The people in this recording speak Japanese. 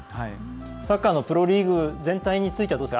サッカーのプロリーグ全体についてはどうですか？